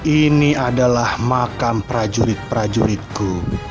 ini adalah makam prajurit prajuritku